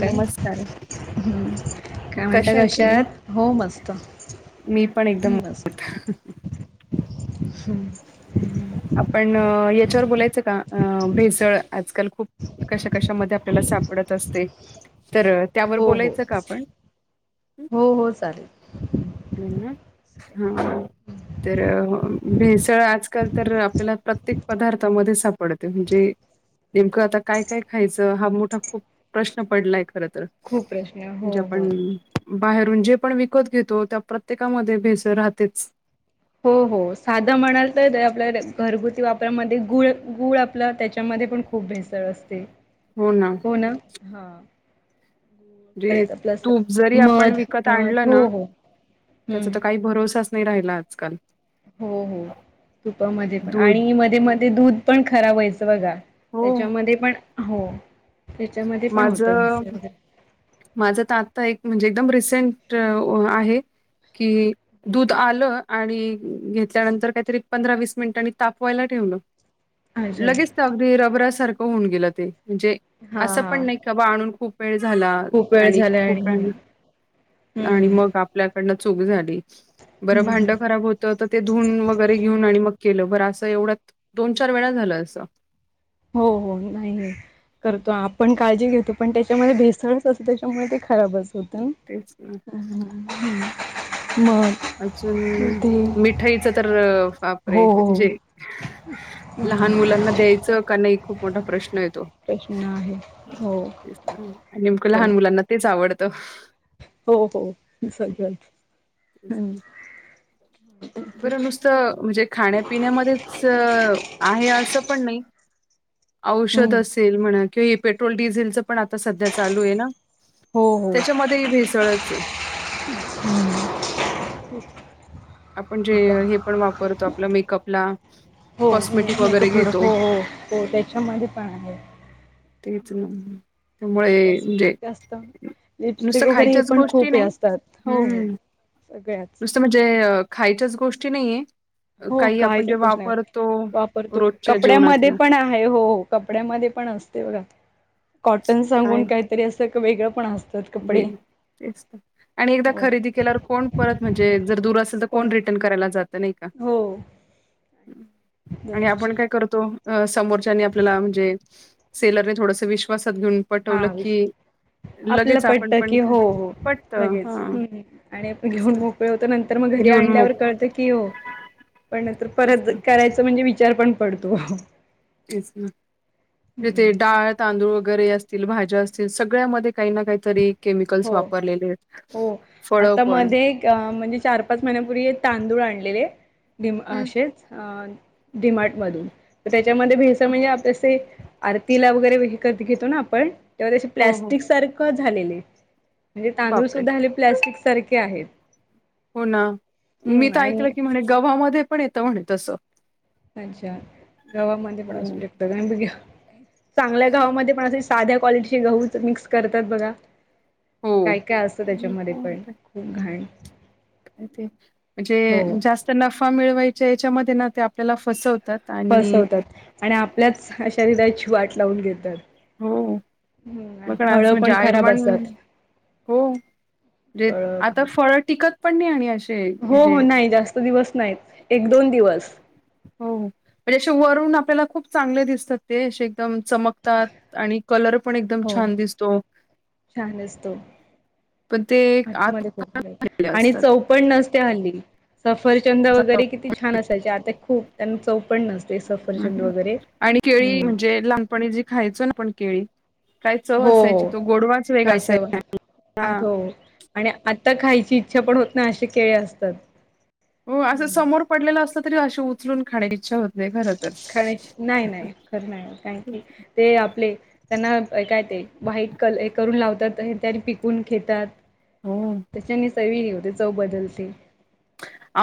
काय हम्म काय कशा म्हणता आहेत तुम्ही कशात हो मस्त? मी पण एकदम हम्म आपण काय याच्यावर म्हणता बोलायचं का भेसळ आजकाल खूप कशा कशामध्ये आपल्याला सापडत असते तर त्यावर हो हो बोलायचं का आपण? हो हो चालेल हा तर भेसळ आजकाल तर आपल्याला प्रत्येक पदार्थामध्ये सापडते म्हणजे नेमकं आता काय काय खायचं हा मोठा खूप प्रश्न पडलाय खरं तर खूप प्रश्न हो म्हणजे हो आपण बाहेरून जे पण विकत घेतो त्या प्रत्येकामध्ये भेसळ राहतेच हो हो साधं म्हणाल तर आपल्या घरगुती वापरामध्ये गुळ गूळ आपलं त्याच्यामध्ये पण खूप भेसळ असते. हो ना हो ना हा म्हणजे आपलं अस तूप जरी आपण मध विकत मध आणलं हो ना हो त्याचा हम्म तर काही भरोसाच नाही राहिला आजकाल हो हो तुपामध्ये पण दूध आणि मध्ये मध्ये दूध पण खराब व्हायचं बघा हो त्याच्यामध्ये पण हो त्याच्यामध्ये पण होतं माझं नुसर वगरे माझं तर आता एक म्हणजे एकदम रिसेंट आहे की दूध आलं आणि घेतल्यानंतर काहीतरी पंधरा वीस मिनिटांनी तापवायला ठेवलं अच्छा लगेच अगदी रबरा सारखं होऊन गेलं ते म्हणजे हा असं पण हा नाही का बाबा आणून खूप वेळ झाला खूप वेळ आणि झाला खूप हम्म आणि हम्म. मग आपल्याकडनं चूक झाली बर हम्म भांड हम्म खराब होत. तर ते धुन वगैरे घेऊन आणि मग केलं बरं असं एवढ्या दोन चार वेळा झालं असं हो हो नाही करतो आपण काळजी घेतो पण त्याच्यामध्ये भेसळच असतो त्याच्यामुळे ते खराबच होतं ना तेच मग? अजून ते मिठाईच तर बापरे हो हो जे लहान मुलांना द्यायचं का नाही खूप मोठा प्रश्न येतो प्रश्न आहे हो. आणि नेमकं हो लहान मुलांना तेच आवडतं. हो हो सगळं अ् बरं नुसतं म्हणजे खाण्या पिण्यामध्येच आहे असं पण नाही औषध हम्म. असेल म्हणा किंवा हे पेट्रोल डिझेलचं पण आता सध्या चालू आहे ना? त्याच्यामध्ये ह भेसळच आहे. हम्म आपण जे हे पण वापरतो आपलं मेकअपला हो कॉस्मेटिक मेकअप वगैरे प्रोडक्ट घेतो हो हो हो त्याच्यामध्ये पण आहे. तेच ना. त्यामुळे पस म्हणजे जास्त. नुसतं लिपस्टिक वगैरे हे खायच्याच पण गोष्टी खूप हे नाही असतात हो हो हम्म सगळ्याच नुसतं म्हणजे खायच्याच गोष्टी नाहीये. हो काही आपण काहीच जे कस नाही वापरतो वापरतो रोजच्या कपड्यामध्ये जीवनातल्या पण आहे हो, हो कपड्या मध्ये पण असते बघा कॉटन सागुन काही तरी असं एक वेगळं पण असत. बे तेच आणि एकदा हो खरेदी केल्यावर कोण परत म्हणजे जर दूर असेल तर कोण रेट रिटन करायला जात नाही का हो आणि दररोज आपण काय करतो समोरच्यानी आपल्याला म्हणजे. सेलरने थोडस विश्वासात घेऊन पटवलं की लगेच आपण पण पटतकी काय हो हो पटत हा लगेच आणि आपण तेच घेऊन ना मोकळे होतो नंतर मग घरी घेऊन आणल्यावर मोक कळतं की हो. पण नंतर तेच परत ना करायच म्हणजे विचार पण पडतो. असच ना. तिथे डाळ, तांदूळ वगैरे असतील भाज्या असतील सगळ्यामध्ये काही ना काहीतरी केमिकल्स हो वापरलेलेत हो फळं आता पण मध्ये एक अ म्हणजे चार, पाच महिन्यापूर्वी तांदूळ आणलेले मी हम्म असेच अ डिमार्ट मधून तर त्याच्यामध्ये भेस म्हणजे आपल असं हे आरतीला वगैरे विकत घेतो ना आपण तेव्हा त्याे हो हो प्लॅस्टिक सारखं झालेले. म्हणजे तांदूळ बापरे सुद्धा आले प्लॅस्टिक सारखे आहेत. हो ना मी हम्म तर आणि ऐकलं की म्हणे गव्हामध्ये पण येतं म्हणे तस. अच्छा गावामध्ये पण असू शकतो का बघा चांगल्या गावामध्ये पण असे साध्या क्वालिटीचे गहू मिक्स करतात बघा. हो काय काय असतं त्याच्यामध्ये पण काय खूप घाण ते हो म्हणजे जास्त नफा मिळवायच्या याच्यामध्ये ना ते आपल्याला फसवतात. आणि फसवतात आणि आपल्याच शरीराची वाट लावून घेतात. हो बघण फळं म्हणजे पण खराब आयुर्मान. असतात. हो फळ आता भाज्या फळ टिकत पण आणि असे हो म्हणजे हो नाही जास्त दिवस नाहीत एक, दोन दिवस. हो म्हणजे असे वरून आपल्याला खूप चांगले दिसतात ते असे एकदम चमकतात. आणि कलर पण एकदम हो छान दिसतो. छान दिसतो असतो. पण ते आतन खराब झालेले असतात. पण नसते हली सफरचंद वगैरे किती छान असायचे आता खूप त्यांना चौव पण नसते सफरचंद वगैरे आणि केळी हम्म म्हणजे. पण जी खायचं ना पण केळी काय चव हो असायची तो हो गोडवाच वेग खायचं असायचा आ ह हो आणि आता खायची इच्छा पण होत ना असे केळे असतात. हो असं हम्म समोर पडलेलं असलं तरी अशी उचलून खाण्याची इच्छा होते खर तर खर नाही कारण ते आपले थँक्यू ते आपले त्यांना काय ते वाईट क करून लावतात हे त्यांनी पिकून खेतात. हो त्याच्यानी सर्वि नि होते चव बदलते.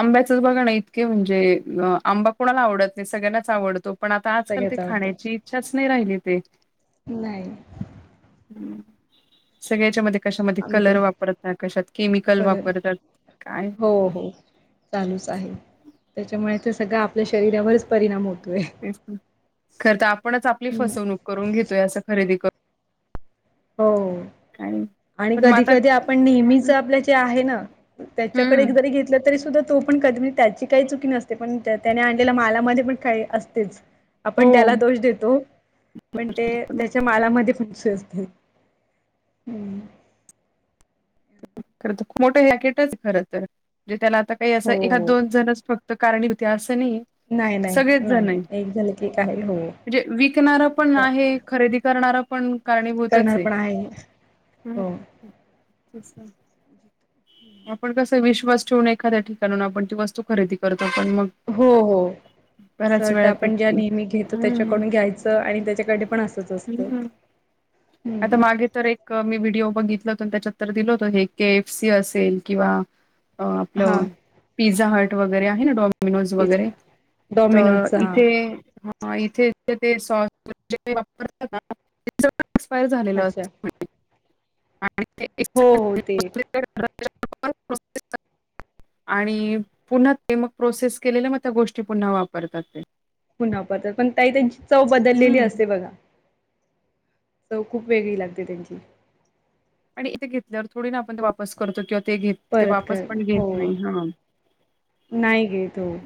आंब्याचं बघा ना इतके म्हणजे आंबा कोणाला आवडत नाही सगळ्यांनाच आवडतो. पण आता आजकाल ते सगळ्याच आवडते खाण्याची इच्छाच नाही राहिली ते. नाही सगळ्याच्या मध्ये. कशामध्ये आम्ही कलर पण वापरतात, कशात केमिकल कलर वापरतात काय हो हो. चालूच आहे, त्याच्यामुळे ते सगळं आपल्या शरीरावरच परिणाम होतो. खरं तर आपणच आपली फसवणूक करून घेतोय, असं खरेदी करून. हो, काय आणि पण मग कधी आता कधी आपण नेहमीच आपल्या जे आहे ना. त्याच्याकडे एक हम्म जरी घेतलं तरी सुद्धा तो पण कधी म्हणजे त्याची काही चुकी नसते, पण त्याने आणलेल्या मालामध्ये पण काही असतेच. हो आपण त्याला दोष देतो, पण ते त्याच्या मालामध्ये पण [unintelligible] असते. हम्म, खरं तर मोठं हेकटच खरं तर म्हणजे, त्याला आता काही हो असं एखाद हो दोन जणच फक्त कारणी होती असं नाही. नाही नाही सगळेच नाही, जण आहे. एक झालं की एक आहे होय. म्हणजे विकणार पण आहे, खरेदी करणार पण कारणी भूतच करणार आहे. पण हो आपण कसं विश्वास ठेवून एखाद्या ठिकाणून आपण ती वस्तू खरेदी करतो पण मग हो हो. असं बऱ्याच वाटतं वेळा ते आपण ज्या नेहमी घेतो, हम्म त्याच्याकडून घ्यायचं आणि त्याच्याकडे पण असचं असत. ह ह, आता मागे तर एक मी व्हिडिओ बघितलं होता त्याच्यात तर दिल होत, हे के एफ सी असेल किंवा अ हा आपलं पिझ्झा हर्ट वगैरे आहे ना, डॉम डेमिनोज तेच वगैरे डॉमिनोजचा तर इथे हा ह इथे ते सॉस वापरतात, एक्सपायर झालेलं अच्छा असत. हो हो ते [unintelligible] आणि पुन्हा ते मग प्रोसेस केलेल्या, मग त्या गोष्टी पुन्हा वापरतात ते. पुन्हा परत पण, काही त्यांची चव बदललेली हं. असते बघा. चव खूप वेगळी लागते त्यांची. आणि इथे घेतल्यावर थोडी ना, आपण वापस करतो किंवा ते घेत ते परत वापस कर पण घेत हो नाही हा. नाही घेत, होय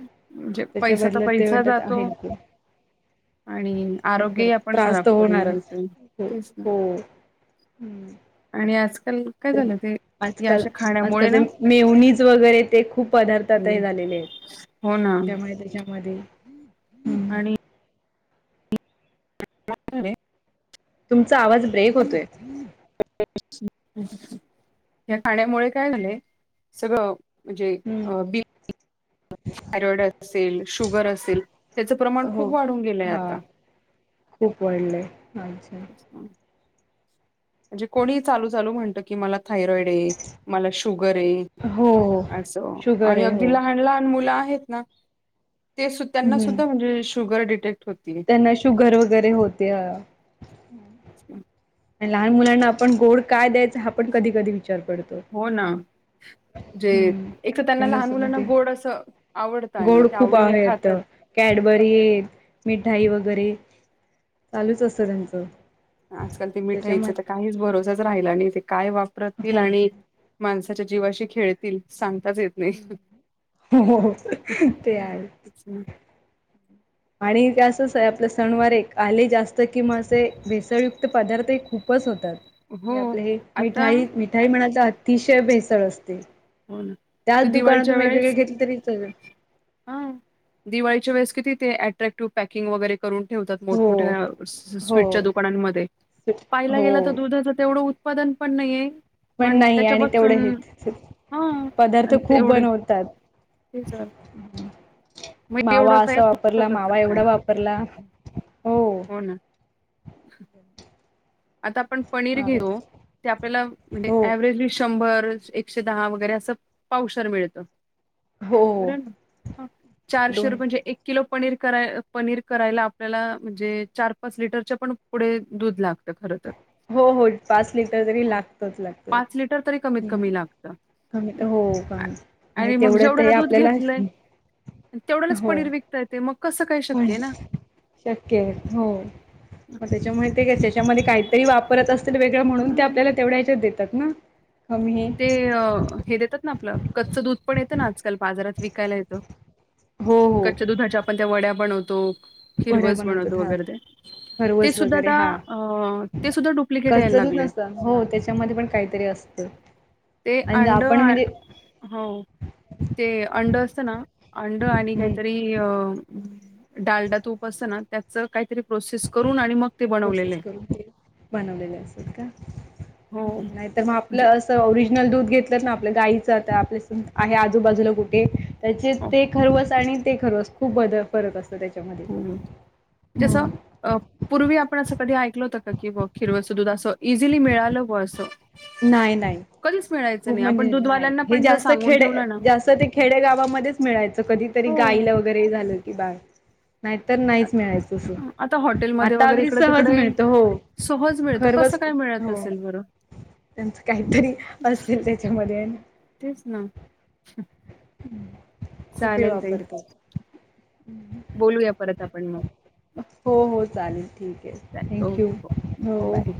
त्याच्या पैसा तर बदलत ते पैसा म्हणतात हा जातो हेच घ्या. आणि आरोग्यही [unintelligible] आपण त्रास खराब तर करून होणारच घेतो. हो तेच ना हो. हम्म, आणि आजकाल काय झालं ते आजकाल अशा खाण्यामुळे आजकाल ना ते मेवणीच वगैरे ते खूप पदार्थात हं, हे झालेले आहे. हो ना त्याच्या मुळे त्याच्या मध्ये आणि [unintelligible] तुमचा आवाज ब्रेक होतोय. [unintelligible] या खाण्यामुळे काय झालंय सगळं म्हणजे अ हम्म बी थायरॉइड असेल, शुगर असेल त्याचं प्रमाण हो खूप वाढून गेलंय हा आता. खूप वाढलय, अच्छा! म्हणजे कोणी चालू चालू म्हणत कि, मला थायरॉइड आहे मला शुगर आहे. हो हो. असं शुगर आणि आहे अगदी हो लहान लहान मुलं आहेत ना ते सूद्धा त्यांना हम्म सुद्धा म्हणजे शुगर डिटेक्ट होतीये. त्यांना शुगर वगैरे होते ह. अम्म, आणि लहान मुलांना आपण गोड काय द्यायचं हा आपण कधी कधी विचार पडतो. हो ना. जे हम्म एक तर त्यांना लहान सुद्धा मुलांना ते गोड असं आवडतं, आणि गोड ते खूप आवडीने आहेत खातात. कॅडबरी हेत मिठाई वगैरे चालूच असतं त्यांचं. आजकाल ते मिठाईच त्याच्यामुळे त काहीच भरोसाच राहिला आणि ते काय वापरतील हो आणि माणसाच्या जीवाशी खेळतील सांगताच येत नाही हो ते आहे. [inaudible] आणि ते असं आपलं सणवार एक आले जास्त कि मग असे भेसळयुक्त पदार्थ हे खूपच होतात. हो म्हणजे आपलं हे आता मिठाईत मिठाई म्हणाल तर अतिशय भेसळ असते. हो ना त्याच तर दुकानातून दिवाळीच्या वेळेस वेगवेगळे घेतले तरी चलल. हा दिवाळीच्या वेळेस किती ते अट्रॅक्टिव्ह पॅकिंग वगैरे करून ठेवतात हो मोठमोठ्या हो स्वीटच्या दुकानांमध्ये. पाहिला हो गेला तर दुधाचं तेवढं उत्पादन पण नाहीये पण नाही आणि तेवढ हेत हा पदार्थ खूप एवढे बनवतात. तेच आहे. मग मावा एवढं तयार असा होत वापरला कस मावा काय एवढा वापरला हो ना. आता आपण पनीर मावा घेतो ते आपल्याला म्हणजे हो हो एव्हरेज लिस्ट शंभर एकशे दहा वगैरे असं पाव शेर मिळतं. हो बरोबरं ना चारशे दोन रुपये म्हणजे एक किलो पनीर कराय पनीर करायला आपल्याला म्हणजे चार पाच लिटरच्या पण पुढे दूध लाग त खर तर. हो हो पाच लिटर तरी हा, लागतच लागत पाच लिटर तरी कमीत हू. कमी लागतं. कमी तर हो आ- कमी आणि तेवढं ते आपल्याला तेवढंलाच हो पनीर विकता येते मग कसं काय पण शक्य आहे ना. शक्य आहे हो मग त्याच्या मुळे ते काय त्याच्यामध्ये काय तरी वापरत असतील वेगळं म्हणून ते हं. आपल्याला तेवढ्या याच्यात देतात ना. कमी ते अ हे देतात ना आपलं कच्च दूध पण येतं ना आजकाल बाजारात विकायला येतं हो हो कच्च्या दुधाच्या आपण त्या वड्या बनवतो वड्या खिरवस बनवतात बनवतो हा वगैरे ते. ते खरवस सुद्धा वगैरे आता हा अ ते सुद्धा डुप्लिकेट यायला कच्चं दूध लागलय. नसतं हो त्याच्यामध्ये पण काहीतरी असत. ते अंड आ हो. ते अंड असत ना अंड आणि हम्म काहीतरी अ डालडा तूप असतना त्याचं काहीतरी प्रोसेस करून आणि मग ते बनवलेलं प्रोसेस आहे करून ते बनवलेल असेल का हो नाही तर मग म्हणजे आपलं अस ओरिज नल दूध घेतलंत ना आपल्या गाईचं त आपल्या आहे आजूबाजूला कुठे त्याचे हो ते खरवस आणि ते खरवस खूप बद फरक असत त्याच्यामध्ये. जसं हं, अ पूर्वी आपण असं कधी ऐकल होतं का की बुवा खिरवसच दूध असं इझिली मिळालं बुवा असं. नाही नाही. कधीच मिळायचं खूप नाही आपण म्हणजे नाही दूधवाल्यांना हे पण जर जास्त सांगून खेडे ठेवलं ना जास्त ते खेडे गावामध्येच मिळायचं कधीतरी हो गाईला वगैरे हे झालं की बाळ नाहीतर अ, नाहीच मिळायचं अस. हं, आता हॉटेलमध्ये आता वगैरे अगदी इकडे सहज तिकडे मिळत हो सहज मिळतं कसं खरवच काय मिळत हो- असेल बरं त्यांचं काहीतरी- असेल त्याच्यामध्ये- तेच ना [inaudible] खुप चालेल ताई वापरतात. [inaudible] बोलूया परत आपण मग- हो हो चालेल ठीक आहे चालेल. थँंक यू ओके हो बाय!